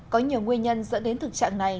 có nhiều nguyên nhân dẫn đến thực trạng này